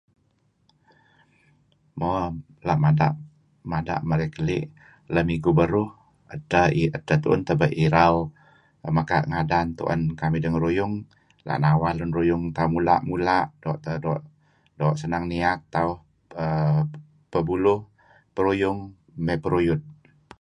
Mo la' mada' marey keli'. Lem igu beruh edteh tun tabe' irau meka' ngadan tuen kamih dengaruyung ela' nawar lun ruyung neh tauh mula'-mula' doo' tauh senang niat uhm pebuluh peruyung may perurum.